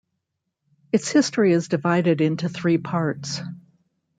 Its history is divided into three parts.